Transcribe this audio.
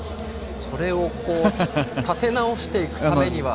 それを立て直していくためには。